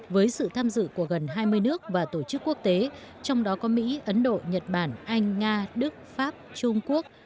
với sự tham dự của gần hai mươi nước và tổ chức quốc tế trong đó có mỹ ấn độ nhật bản anh nga đức pháp trung quốc